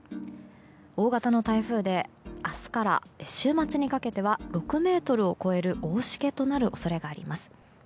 大型の台風で明日から週末にかけては６ｍを超える大しけとなる恐れがあります。